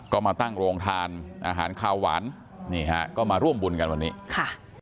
ก็มาตั้งโรงทานอาหารขาวหวานนี่ฮะก็มาร่วมบุญกันวันนี้ค่ะ